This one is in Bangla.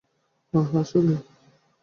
ওহ, আসলেই?